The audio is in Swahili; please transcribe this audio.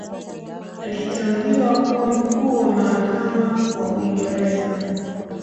Aliteuliwa kuwa Mkuu wa Mahakama wa Uingereza.